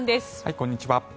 こんにちは。